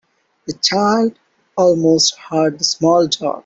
The child almost hurt the small dog.